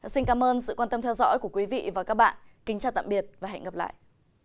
xin cảm ơn sự quan tâm theo dõi của quý vị và các bạn kính chào tạm biệt và hẹn gặp lại